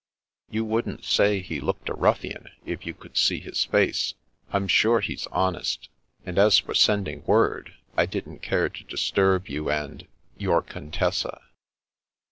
" You wouldn't say he looked a ruffian, if you could see his face. I'm sure he's honest. 'And as for sending word, I didn't care to disturb you and — your Contessa."